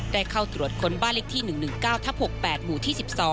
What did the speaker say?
ได้เข้าตรวจค้นบ้านเลขที่๑๑๙ทับ๖๘หมู่ที่๑๒